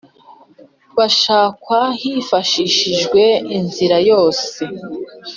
bashakwa hifashishijwe inzira yose